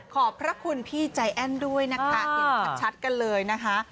ขอบพระคุณพี่ใจแอ้นด้วยนะคะเห็นชัดกันเลยนะคะ